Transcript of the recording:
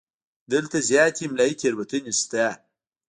دلته زیاتې املایي تېروتنې شته.